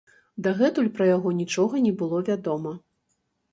Дагэтуль пра яго нічога не было вядома.